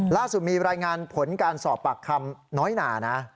ล่าสุดมีรายงานผลการสอบปากคำน้อยหนานะ